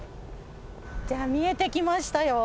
じゃあ見えてきましたよ。